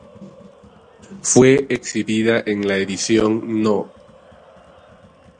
Fue exhibida en la edición No.